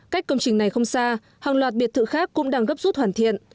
cách công trình này không xa hàng loạt biệt thự khác cũng đang gấp rút hoàn thiện